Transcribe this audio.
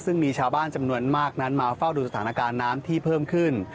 ซึ่งมีชาวบ้านจำนวนมากนั้นมาเฝ้าดูสถานการณ์น้ำที่เพิ่มขึ้น